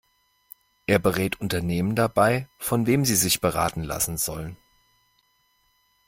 Er berät Unternehmen dabei, von wem sie sich beraten lassen sollen.